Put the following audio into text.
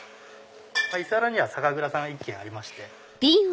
伊勢原には酒蔵さんが１軒ありまして。